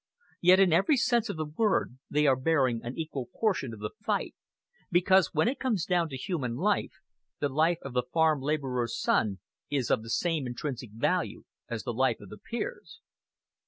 Yet, in every sense of the word, they are bearing an equal portion of the fight, because, when it comes down to human life, the life of the farm labourer's son is of the same intrinsic value as the life of the peer's."